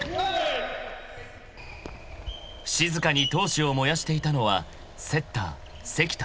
［静かに闘志を燃やしていたのはセッター関田］